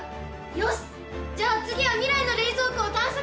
よしじゃあ次は未来の冷蔵庫を探索に。